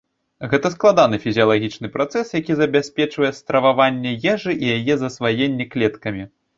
Гэта складаны фізіялагічны працэс, які забяспечвае страваванне ежы і яе засваенне клеткамі.